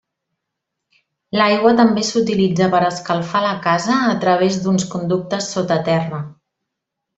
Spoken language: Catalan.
L'aigua també s'utilitza per escalfar la casa a través d'uns conductes sota terra.